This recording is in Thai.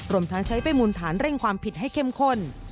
รวมทั้งใช้ไปมูลฐานเร่งความผิดให้เข้มข้น